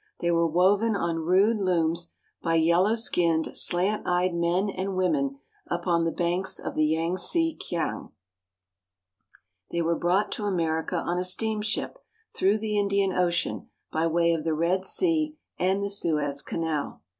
They were woven on rude looms by yellow skinned, slant eyed men and women upon the banks of the Yangtze Kiang. They were brought to America on a steamship through the Indian Ocean, by way of the Red Sea and the Suez Canal.